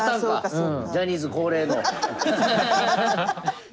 ジャニーズ恒例の。